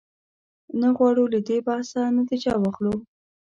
نه غواړو له دې بحثه نتیجه واخلو.